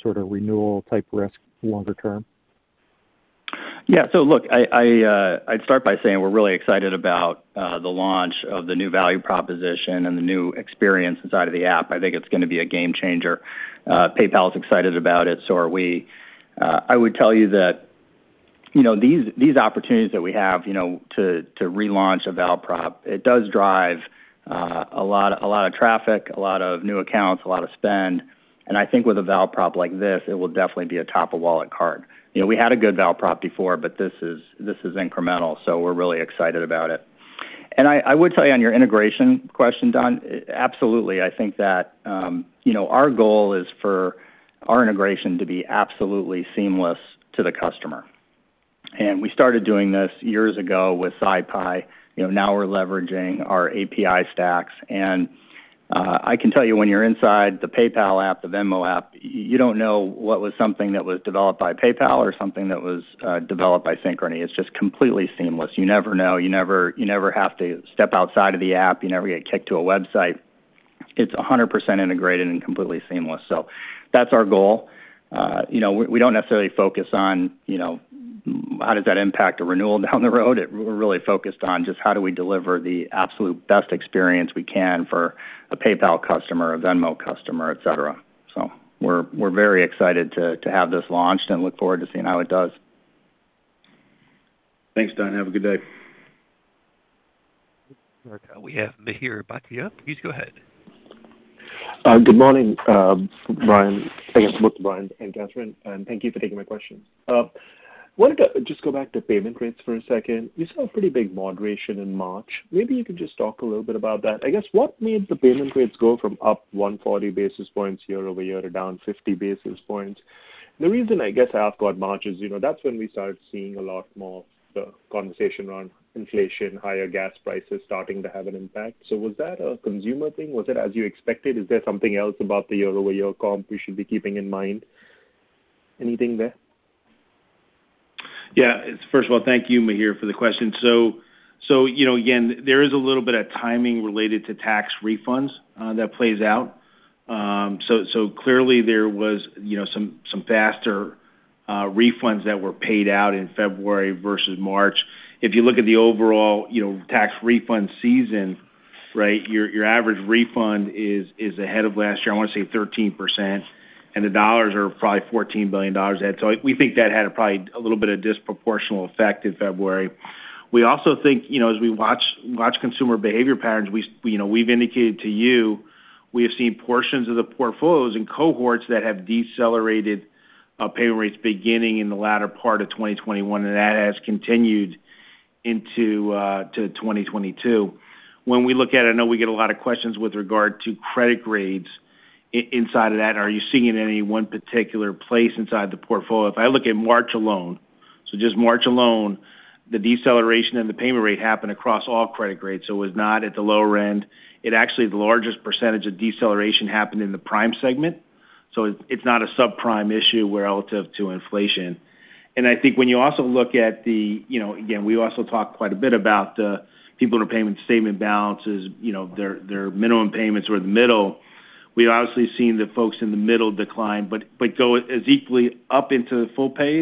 sort of renewal type risk longer term? Yeah. Look, I'd start by saying we're really excited about the launch of the new value proposition and the new experience inside of the app. I think it's gonna be a game changer. PayPal is excited about it, so are we. I would tell you that, you know, these opportunities that we have, you know, to relaunch a val prop, it does drive a lot of traffic, a lot of new accounts, a lot of spend. I think with a val prop like this, it will definitely be a top of wallet card. You know, we had a good val prop before, but this is incremental, so we're really excited about it. I would tell you on your integration question, Don, absolutely. I think that, you know, our goal is for our integration to be absolutely seamless to the customer. We started doing this years ago with SyPi. You know, now we're leveraging our API stacks. I can tell you when you're inside the PayPal app, the Venmo app, you don't know whether something was developed by PayPal or something that was developed by Synchrony. It's just completely seamless. You never know. You never have to step outside of the app. You never get kicked to a website. It's 100% integrated and completely seamless. That's our goal. You know, we don't necessarily focus on, you know, how does that impact a renewal down the road. We're really focused on just how do we deliver the absolute best experience we can for a PayPal customer, a Venmo customer, et cetera. We're very excited to have this launched and look forward to seeing how it does. Thanks, John. Have a good day. We have Mihir Bhatia. Please go ahead. Good morning, Brian. I guess both Brian and Kathryn, and thank you for taking my questions. I wanted to just go back to payment rates for a second. We saw a pretty big moderation in March. Maybe you could just talk a little bit about that. I guess, what made the payment rates go from up 140 basis points year-over-year to down 50 basis points? The reason I guess I have got March is, you know, that's when we started seeing a lot more the conversation around inflation, higher gas prices starting to have an impact. Was that a consumer thing? Was it as you expected? Is there something else about the year-over-year comp we should be keeping in mind? Anything there? Yeah. First of all, thank you, Mihir, for the question. You know, again, there is a little bit of timing related to tax refunds that plays out. Clearly there was, you know, some faster refunds that were paid out in February versus March. If you look at the overall, you know, tax refund season, right? Your average refund is ahead of last year, I want to say 13%, and the dollars are probably $14 billion. We think that had probably a little bit of disproportional effect in February. We also think, you know, as we watch consumer behavior patterns, we, you know, we've indicated to you we have seen portions of the portfolios and cohorts that have decelerated payment rates beginning in the latter part of 2021, and that has continued into 2022. When we look at it, I know we get a lot of questions with regard to credit grades inside of that. Are you seeing it in any one particular place inside the portfolio? If I look at March alone, the deceleration in the payment rate happened across all credit grades. So it was not at the lower end. It actually, the largest percentage of deceleration happened in the prime segment. So it's not a subprime issue where relative to inflation. I think when you also look at the, you know, again, we also talked quite a bit about the people in the payment statement balances, you know, their minimum payments were in the middle. We obviously seen the folks in the middle decline, but go as equally up into the full pay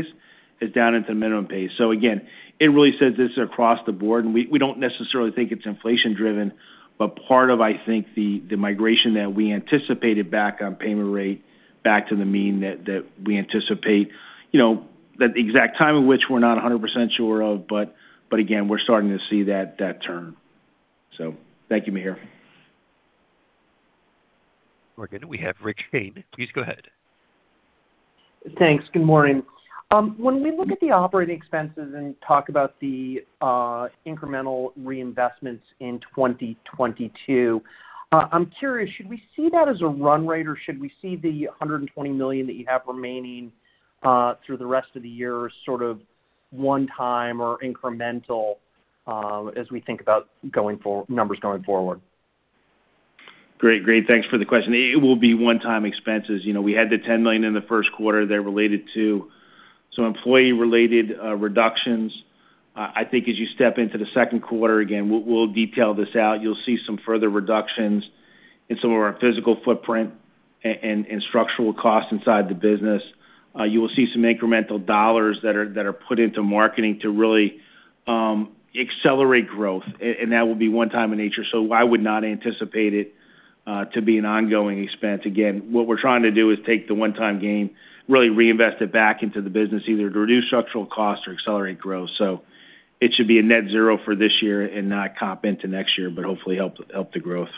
as down into minimum pay. Again, it really says this is across the board, and we don't necessarily think it's inflation-driven. But part of, I think, the migration that we anticipated back on payment rate back to the mean that we anticipate, you know, the exact time of which we're not 100% sure of, but again, we're starting to see that turn. Thank you, Mihir. We have Richard Shane. Please go ahead. Thanks. Good morning. When we look at the operating expenses and talk about the incremental reinvestments in 2022, I'm curious, should we see that as a run rate, or should we see the $120 million that you have remaining through the rest of the year as sort of one-time or incremental, as we think about numbers going forward? Great. Thanks for the question. It will be one-time expenses. You know, we had the $10 million in the first quarter there related to some employee-related reductions. I think as you step into the second quarter, again, we'll detail this out. You'll see some further reductions in some of our physical footprint and structural costs inside the business. You will see some incremental dollars that are put into marketing to really accelerate growth, and that will be one-time in nature. I would not anticipate it to be an ongoing expense. Again, what we're trying to do is take the one-time gain, really reinvest it back into the business, either to reduce structural costs or accelerate growth. It should be a net zero for this year and not carry over into next year, but hopefully help the growth.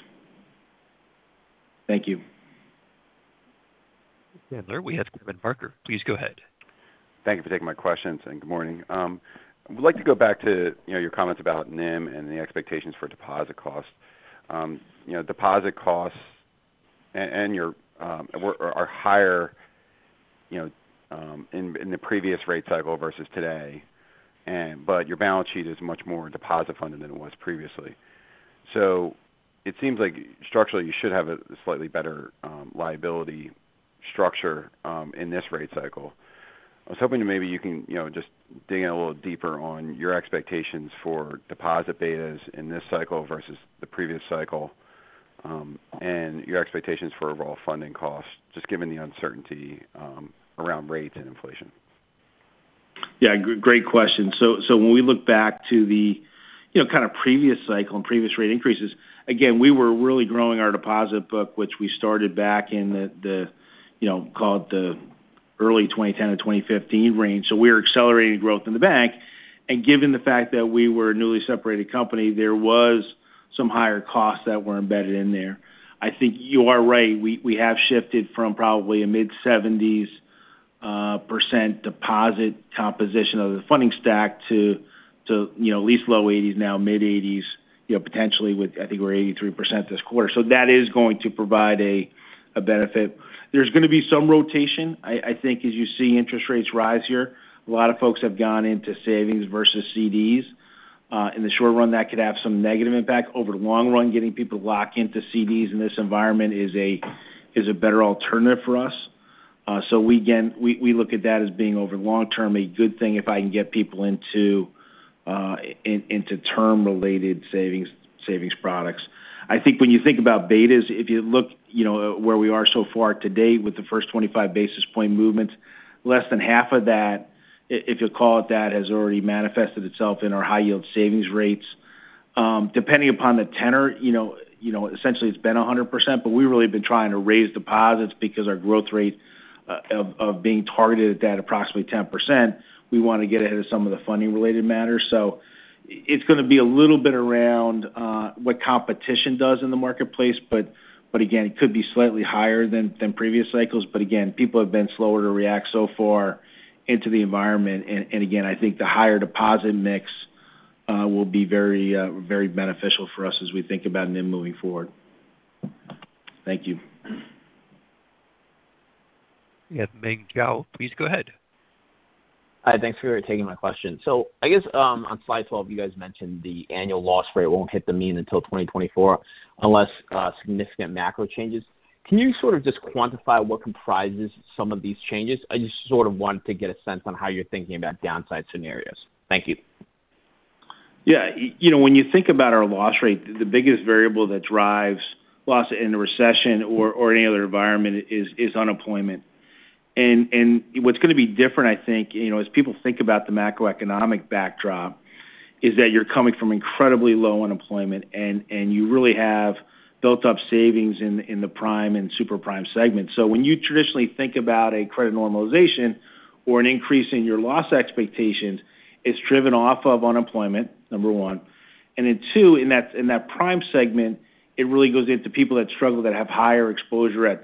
Thank you. We have Kevin Barker. Please go ahead. Thank you for taking my questions, and good morning. I would like to go back to, you know, your comments about NIM and the expectations for deposit costs. You know, deposit costs and your are higher, you know, in the previous rate cycle versus today. Your balance sheet is much more deposit-funded than it was previously. It seems like structurally, you should have a slightly better liability structure in this rate cycle. I was hoping maybe you can, you know, just dig in a little deeper on your expectations for deposit betas in this cycle versus the previous cycle, and your expectations for overall funding costs, just given the uncertainty around rates and inflation. Yeah, great question. When we look back to the, you know, kind of previous cycle and previous rate increases, again, we were really growing our deposit book, which we started back in the you know, call it the early 2010 to 2015 range. We were accelerating growth in the bank. Given the fact that we were a newly separated company, there was some higher costs that were embedded in there. I think you are right. We have shifted from probably a mid-70s% deposit composition of the funding stack to you know, at least low 80s% now, mid-80s, you know, potentially with, I think we're 83% this quarter. That is going to provide a benefit. There's gonna be some rotation. I think as you see interest rates rise here, a lot of folks have gone into savings versus CDs. In the short run, that could have some negative impact. Over the long run, getting people locked into CDs in this environment is a better alternative for us. We again look at that as being over long term, a good thing if I can get people into term-related savings products. I think when you think about betas, if you look, you know, where we are so far to date with the first 25 basis point movements, less than half of that, if you call it that, has already manifested itself in our High Yield Savings rates. Depending upon the tenor, you know, essentially it's been 100%, but we really have been trying to raise deposits because our growth rate of being targeted at that approximately 10%, we wanna get ahead of some of the funding-related matters. It's gonna be a little bit around what competition does in the marketplace. Again, it could be slightly higher than previous cycles. Again, people have been slower to react so far into the environment. Again, I think the higher deposit mix will be very very beneficial for us as we think about NIM moving forward. Thank you. We have Meng Jiao. Please go ahead. Hi, thanks for taking my question. I guess, on slide 12, you guys mentioned the annual loss rate won't hit the mean until 2024 unless, significant macro changes. Can you sort of just quantify what comprises some of these changes? I just sort of want to get a sense on how you're thinking about downside scenarios. Thank you. Yeah. You know, when you think about our loss rate, the biggest variable that drives loss in a recession or any other environment is unemployment. What's gonna be different, I think, you know, as people think about the macroeconomic backdrop, is that you're coming from incredibly low unemployment and you really have built up savings in the prime and super prime segment. When you traditionally think about a credit normalization or an increase in your loss expectations, it's driven off of unemployment, number one. Two, in that prime segment, it really goes into people that struggle, that have higher exposure at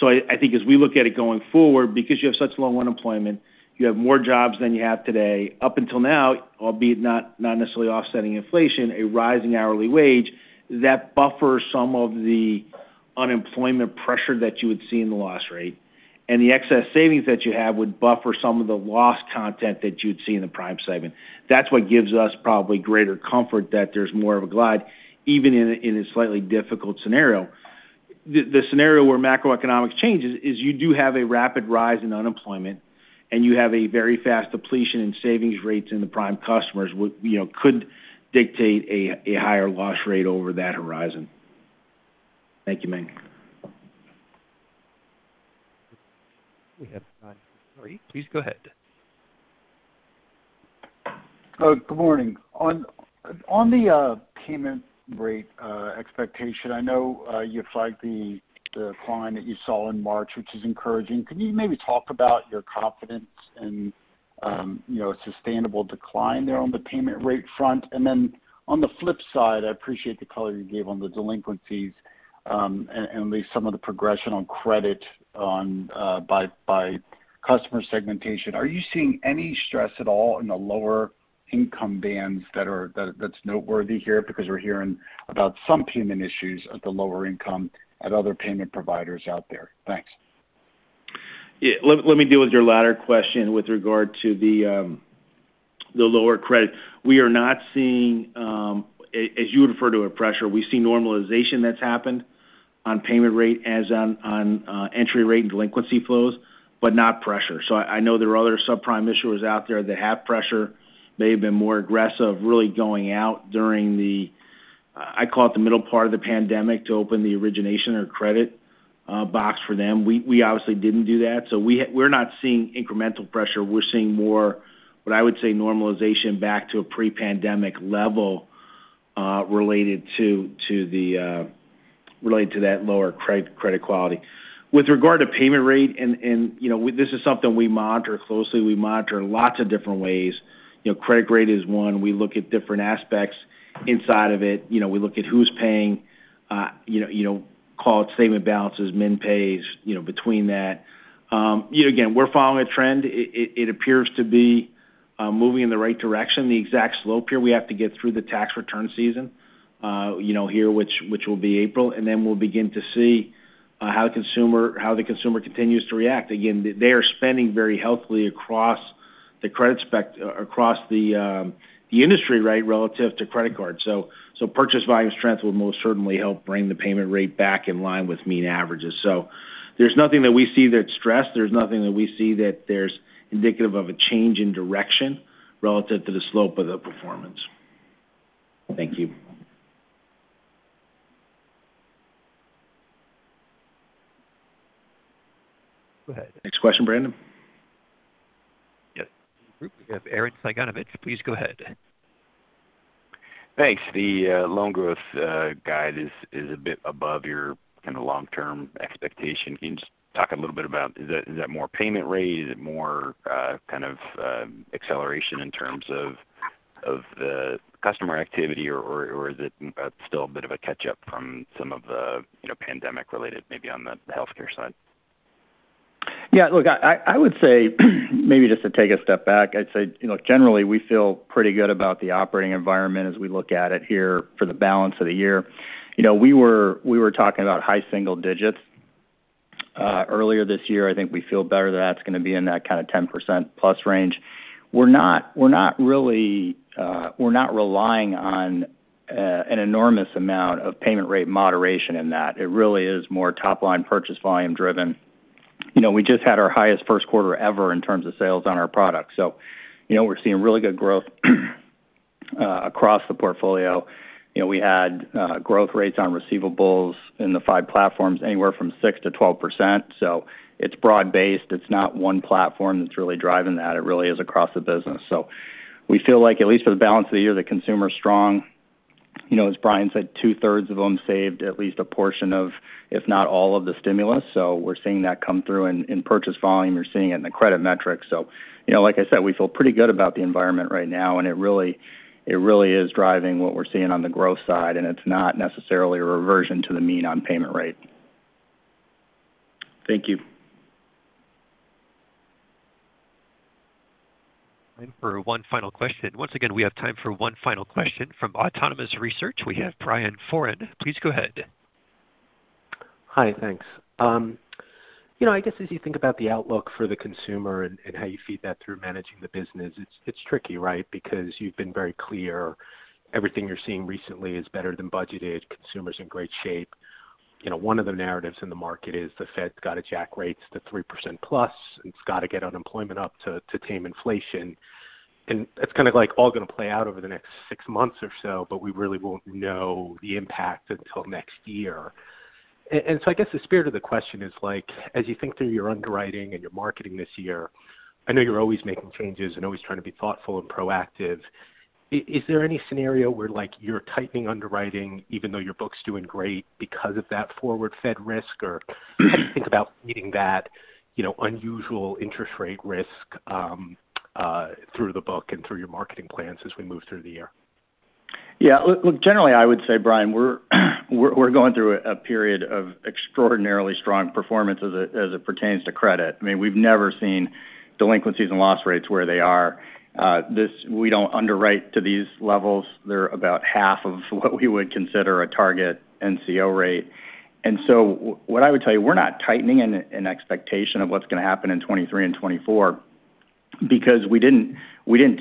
default. I think as we look at it going forward, because you have such low unemployment, you have more jobs than you have today. Up until now, albeit not necessarily offsetting inflation, a rising hourly wage that buffers some of the unemployment pressure that you would see in the loss rate. The excess savings that you have would buffer some of the loss content that you'd see in the prime segment. That's what gives us probably greater comfort that there's more of a glide, even in a slightly difficult scenario. The scenario where macroeconomics changes is you do have a rapid rise in unemployment, and you have a very fast depletion in savings rates in the prime customers you know could dictate a higher loss rate over that horizon. Thank you, Ming. We have Scott Siefers. Please go ahead. Good morning. On the payment rate expectation, I know you flagged the decline that you saw in March, which is encouraging. Can you maybe talk about your confidence in, you know, a sustainable decline there on the payment rate front? Then on the flip side, I appreciate the color you gave on the delinquencies and at least some of the progression on credit by customer segmentation. Are you seeing any stress at all in the lower income bands that's noteworthy here? Because we're hearing about some payment issues at the lower income at other payment providers out there. Thanks. Yeah. Let me deal with your latter question with regard to the lower credit. We are not seeing, as you would refer to it, pressure. We see normalization that's happened on payment rate as on entry rate and delinquency flows, but not pressure. I know there are other subprime issuers out there that have pressure. They've been more aggressive, really going out during I call it the middle part of the pandemic to open the origination or credit box for them. We obviously didn't do that, so we're not seeing incremental pressure. We're seeing more, what I would say, normalization back to a pre-pandemic level, related to that lower credit quality. With regard to payment rate, you know, this is something we monitor closely. We monitor lots of different ways. You know, credit grade is one. We look at different aspects inside of it. You know, we look at who's paying, you know, call it statement balances, min pays, you know, between that. You know, again, we're following a trend. It appears to be moving in the right direction. The exact slope here, we have to get through the tax return season, you know, here, which will be April, and then we'll begin to see how the consumer continues to react. Again, they are spending very healthily across the industry rate relative to credit cards. So purchase volume strength will most certainly help bring the payment rate back in line with mean averages. So there's nothing that we see that's stressed. There's nothing that we see that's indicative of a change in direction relative to the slope of the performance. Thank you. Go ahead. Next question, Brandon. Yeah. We have John Pancari. Please go ahead. Thanks. The loan growth guide is a bit above your kind of long-term expectation. Can you just talk a little bit about, is that more payment rate? Is it more kind of acceleration in terms of the customer activity, or is it still a bit of a catch-up from some of the, you know, pandemic-related maybe on the healthcare side? Yeah. Look, I would say, maybe just to take a step back, I'd say, you know, generally, we feel pretty good about the operating environment as we look at it here for the balance of the year. You know, we were talking about high single digits earlier this year. I think we feel better that that's gonna be in that kind of 10%+ range. We're not really relying on An enormous amount of payment rate moderation in that. It really is more top line purchase volume driven. You know, we just had our highest first quarter ever in terms of sales on our products. You know, we're seeing really good growth across the portfolio. You know, we had growth rates on receivables in the five platforms, anywhere from 6%-12%. It's broad-based. It's not one platform that's really driving that. It really is across the business. We feel like, at least for the balance of the year, the consumer is strong. You know, as Brian said, two-thirds of them saved at least a portion of, if not all of the stimulus. We're seeing that come through in purchase volume. We're seeing it in the credit metrics. you know, like I said, we feel pretty good about the environment right now, and it really is driving what we're seeing on the growth side, and it's not necessarily a reversion to the mean on payment rate. Thank you. Time for one final question. Once again, we have time for one final question. From Autonomous Research, we have Brian Foran. Please go ahead. Hi. Thanks. You know, I guess, as you think about the outlook for the consumer and how you feed that through managing the business, it's tricky, right? Because you've been very clear. Everything you're seeing recently is better than budgeted. Consumer's in great shape. You know, one of the narratives in the market is the Fed's got to hike rates to 3%+, and it's got to get unemployment up to tame inflation. It's kind of, like, all gonna play out over the next six months or so, but we really won't know the impact until next year. I guess the spirit of the question is, like, as you think through your underwriting and your marketing this year, I know you're always making changes and always trying to be thoughtful and proactive. Is there any scenario where, like, you're tightening underwriting even though your book's doing great because of that forward Fed risk? Or how do you think about meeting that, you know, unusual interest rate risk through the book and through your marketing plans as we move through the year? Yeah. Look, generally, I would say, Brian, we're going through a period of extraordinarily strong performance as it pertains to credit. I mean, we've never seen delinquencies and loss rates where they are. We don't underwrite to these levels. They're about half of what we would consider a target NCO rate. What I would tell you, we're not tightening in expectation of what's gonna happen in 2023 and 2024 because we didn't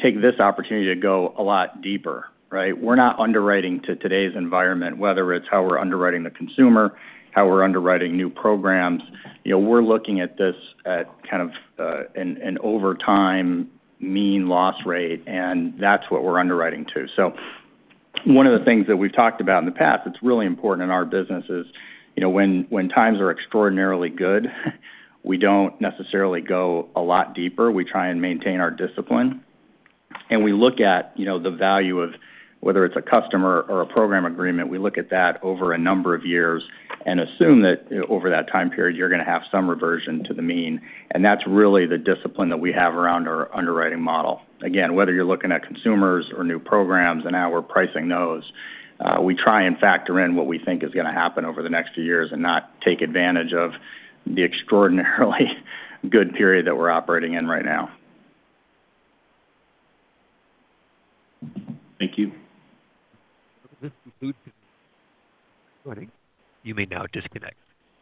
take this opportunity to go a lot deeper, right? We're not underwriting to today's environment, whether it's how we're underwriting the consumer, how we're underwriting new programs. You know, we're looking at this at kind of, an over time mean loss rate, and that's what we're underwriting to. One of the things that we've talked about in the past that's really important in our business is, you know, when times are extraordinarily good, we don't necessarily go a lot deeper. We try and maintain our discipline. We look at, you know, the value of whether it's a customer or a program agreement. We look at that over a number of years and assume that over that time period, you're gonna have some reversion to the mean. That's really the discipline that we have around our underwriting model. Again, whether you're looking at consumers or new programs and how we're pricing those, we try and factor in what we think is gonna happen over the next few years and not take advantage of the extraordinarily good period that we're operating in right now. Thank you. You may now disconnect.